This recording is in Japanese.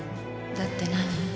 だって何？